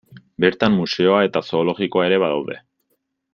Bertan museoa eta zoologikoa ere badaude.